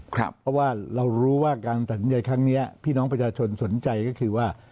เพราะว่าเรารู้ว่าการตัดสินใจครั้งนี้พี่น้องประชาชนสนใจก็คือว่า